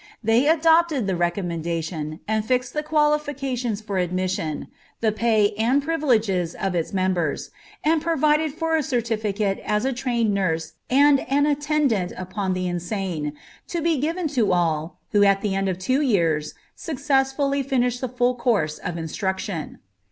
They adopted the recommendation and fixed the qualifications for admission, the pay and privileges of its members, and provided for a certificate as a trained nurse and an attendant upon the insane, to be given to all, who at the end of two years successfully finished the full course of instruction.